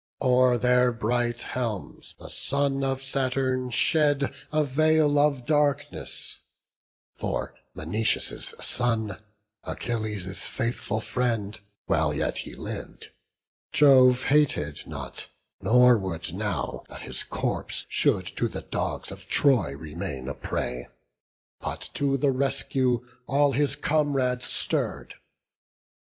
O'er their bright helms the son of Saturn shed A veil of darkness; for Menoetius' son, Achilles' faithful friend, while yet he liv'd Jove hated not, nor would that now his corpse Should to the dogs of Troy remain a prey, But to the rescue all his comrades stirr'd.